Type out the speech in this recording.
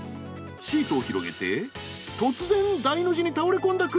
シートを広げて突然大の字に倒れ込んだ工藤。